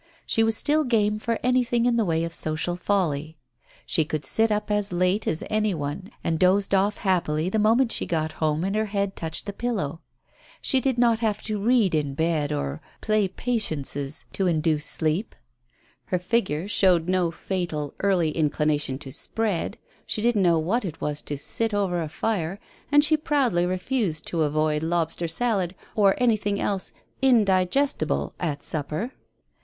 She was still game for anything in the way of social folly, she could sit up as late as any one and dozed off happily the moment she got home and her head touched the pillow. She did not have to read in bed or play "patiences" to Digitized by Google THE TELEGRAM 15 induce sleep. Her figure showed no fatal early inclina tion to "spread," she didn't know what it was to "sit over a fire," and she proudly refused to avoid lobster salad or anything else indigestible at supper.